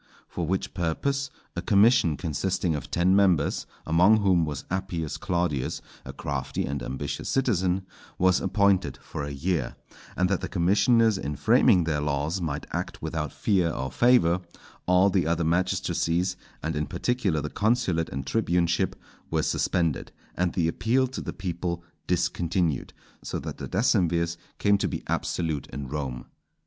For which purpose a commission consisting of ten members, among whom was Appius Claudius, a crafty and ambitious citizen, was appointed for a year; and that the commissioners in framing their laws might act without fear or favour, all the other magistracies, and in particular the consulate and tribuneship, were suspended, and the appeal to the people discontinued; so that the decemvirs came to be absolute in Rome.